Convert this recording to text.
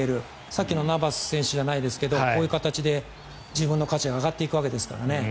さっきのナバス選手じゃないですけどこういう形で自分の価値が上がっていくわけですからね。